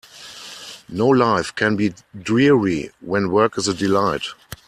No life can be dreary when work is a delight.